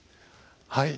はい。